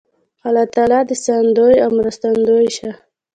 الله تعالی دې ساتندوی او مرستندوی شه